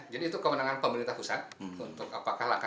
jadi itu kemenangan pemerintah pusat untuk apakah lakah yang bisa dilakukan